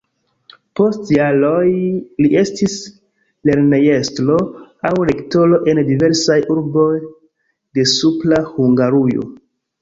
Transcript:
Post jaroj li estis lernejestro aŭ rektoro en diversaj urboj de Supra Hungarujo.